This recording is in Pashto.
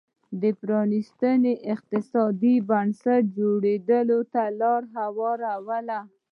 د پرانیستو اقتصادي بنسټونو جوړېدو ته یې لار هواروله